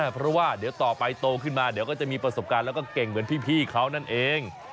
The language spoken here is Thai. เพราะว่าเดี๋ยวต่อไปโตขึ้นมาเดี๋ยวก็จะมีประสบการณ์แล้วก็เก่งเหมือนพี่เขานั่นเอง